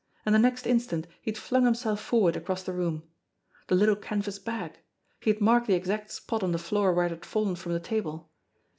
And the next instant he had flung himself forward across the room. The little canvas bag ! He had marked the exact spot on the floor where it had fallen from the table.